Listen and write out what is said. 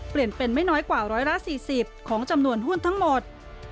เปลี่ยนเป็นไม่น้อยกว่า๑๔๐ของจำนวนหุ้นทั้งหมด